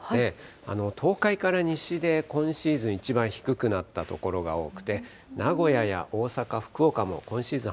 東海から西で今シーズン一番低くなった所が多くて、名古屋や大阪、福岡も今シーズン